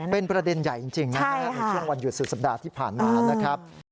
เป็นประเด็นใหญ่จริงนะครับในช่วงวันหยุดสุดสัปดาห์ที่ผ่านมานะครับ